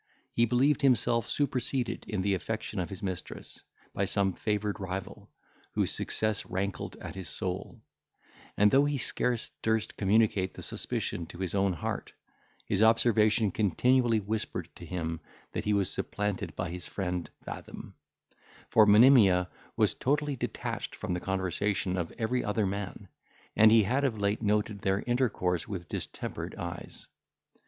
He believed himself superseded in the affection of his mistress, by some favoured rival, whose success rankled at his soul; and though he scarce durst communicate the suspicion to his own heart, his observation continually whispered to him that he was supplanted by his friend Fathom; for Monimia was totally detached from the conversation of every other man, and he had of late noted their intercourse with distempered eyes.